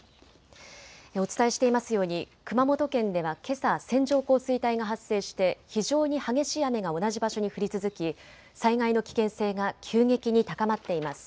お伝えしていますように熊本県では、けさ線状降水帯が発生して非常に激しい雨が同じ場所に降り続き災害の危険性が急激に高まっています。